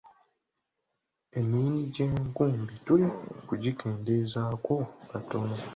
Emiyini gy’enkumbi tulina okugikendeezaako katono.